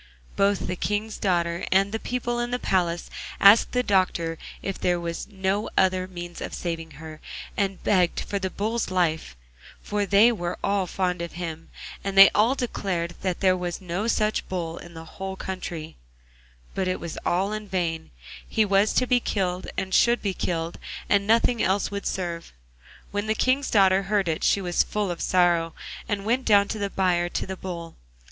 Both the King's daughter and the people in the palace asked the doctor if there were no other means of saving her, and begged for the Bull's life, for they were all fond of him, and they all declared that there was no such Bull in the whole country; but it was all in vain, he was to be killed, and should be killed, and nothing else would serve. When the King's daughter heard it she was full of sorrow, and went down to the byre to the Bull.